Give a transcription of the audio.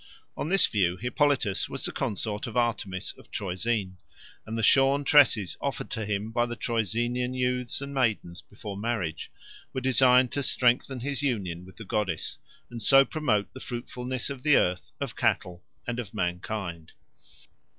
On this view, Hippolytus was the consort of Artemis at Troezen, and the shorn tresses offered to him by the Troezenian youths and maidens before marriage were designed to strengthen his union with the goddess, and so to promote the fruitfulness of the earth, of cattle, and of mankind.